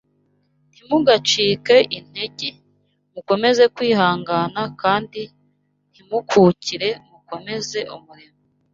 ntimugacike intege, mukomeze kwihangana kandi ntimukukire mukomeze umurimo.